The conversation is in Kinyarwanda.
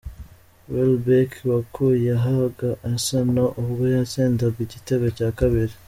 Welbeck wakuye ahaga Arsenal ubwo yatsindaga igitego cya Kabiri